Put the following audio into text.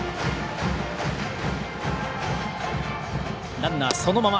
ランナー、そのまま。